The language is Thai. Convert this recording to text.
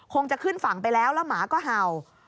จะขึ้นฝั่งไปแล้วแล้วหมาก็เห่า